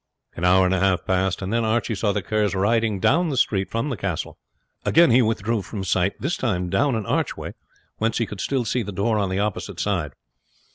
An hour and a half passed, and then Archie saw the Kerrs riding down the street from the castle. Again he withdrew from sight, this time down an archway, whence he could still see the door on the opposite side.